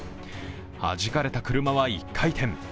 はじかれた車は１回転。